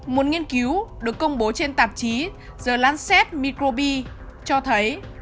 một nghiên cứu được công bố trên tạp chí the lanset microbi cho thấy